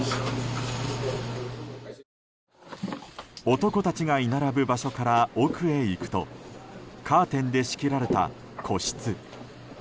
男たちが居並ぶ場所から奥へ行くとカーテンで仕切られた個室。